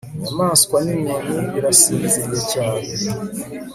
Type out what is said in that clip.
Inyamaswa ninyoni birasinziriye cyane